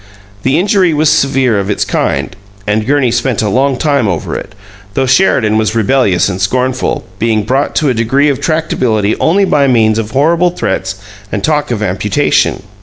The injury was severe of its kind, and Gurney spent a long time over it, though Sheridan was rebellious and scornful, being brought to a degree of tractability only by means of horrible threats and talk of amputation.